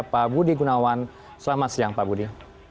pak budi gunawan selamat siang pak budi